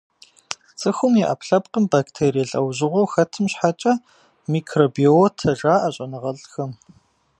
Цӏыхум и ӏэпкълъэпкъым бактерие лӏэужьыгъуэу хэтым щхьэкӏэ микробиотэ жаӏэ щӏэныгъэлӏхэм.